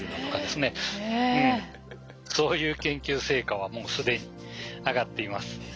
そういう研究成果はもう既に上がっています。